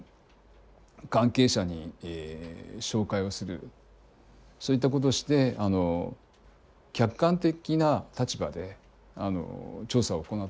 関係者に照会をするそういったことをして客観的な立場で調査を行ってます。